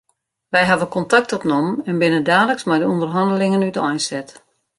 Wy hawwe kontakt opnommen en binne daliks mei de ûnderhannelingen úteinset.